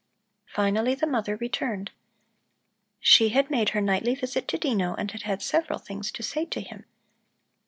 Finally the mother returned. She had made her nightly visit to Dino and had had several things to say to him.